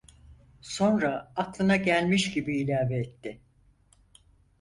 Sonra aklına gelmiş gibi ilave etti: